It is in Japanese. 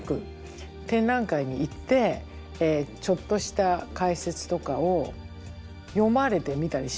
展覧会に行ってちょっとした解説とかを読まれてみたりしました？